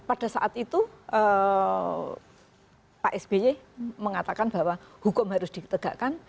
pada saat itu pak sby mengatakan bahwa hukum harus ditegakkan